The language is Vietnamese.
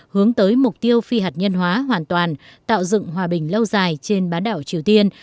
hướng tới mục tiêu phi hạt nhân hóa hoàn toàn tạo dựng hòa bình lâu dài trên bán đảo triều tiên